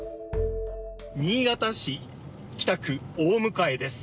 新潟市北区大迎です。